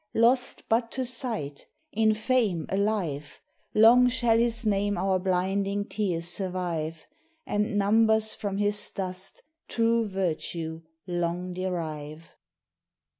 Lost but to sight; in fame alive, Long shall his name our blinding tears survive, And numbers from his dust, true virtue long derive.